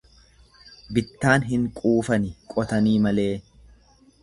Bittaan hin quufanii qotanii malee.